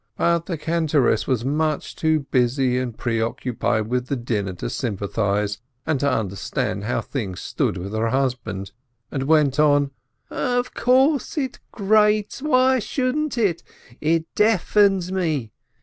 But the cantoress was much too busy and preoccupied with the dinner to sympathize and to understand how things stood with her husband, and went on : "Of course it grates ! Why shouldn't it ? It deafens me.